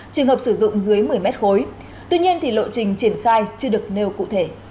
trường hợp sử dụng dưới một mươi mét khối tuy nhiên thì lộ trình triển khai chưa được nêu cụ thể